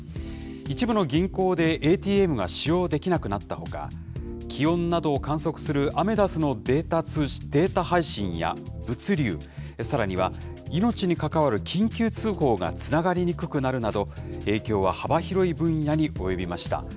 一部の銀行でＡＴＭが使用できなくなったほか、気温などを観測するアメダスのデータ配信や物流、さらには命に関わる緊急通報がつながりにくくなるなど、影響は幅広い分野に及びました。